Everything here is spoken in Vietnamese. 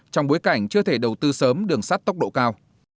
trong bối cảnh chưa thể đầu tư sớm đường sắt tốc độ cao